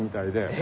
え？